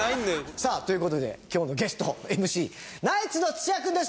さあという事で今日のゲストＭＣナイツの土屋君です。